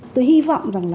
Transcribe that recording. tôi hy vọng